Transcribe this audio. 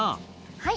はい。